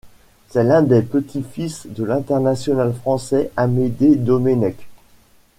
C'est l'un des petits-fils de l'international français Amédée Domenech.